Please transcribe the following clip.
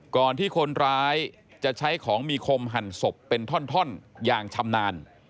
ก่อนที่คนร้ายจะใช้ของมีคมหั่นศพเป็นท่อนอย่างชำนาญ